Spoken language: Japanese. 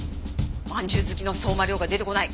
まんじゅう好きの相馬涼が出てこない。